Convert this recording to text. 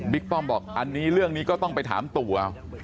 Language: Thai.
บิ๊กป้อมบอกเรื่องนี้ก็ต้องไปถามตัว